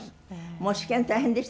もう試験大変でした。